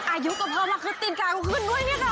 อายุก็พอมาคือตีนการก็ขึ้นด้วยเนี่ยค่ะ